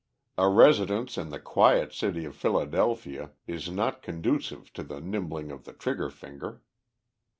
A residence in the quiet city of Philadelphia is not conducive to the nimbling of the trigger finger.